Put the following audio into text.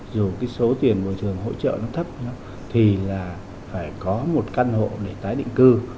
dù số tiền bồi thường hỗ trợ thấp thì phải có một căn hộ để tái định cư